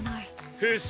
フシ！